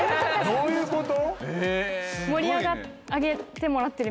どういうこと？